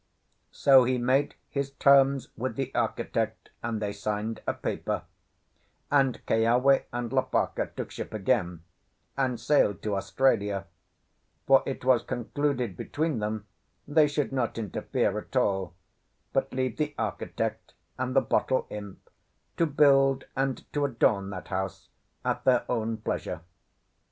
So he made his terms with the architect, and they signed a paper; and Keawe and Lopaka took ship again and sailed to Australia; for it was concluded between them they should not interfere at all, but leave the architect and the bottle imp to build and to adorn that house at their own pleasure.